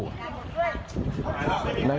แล้วช่วยกันนะ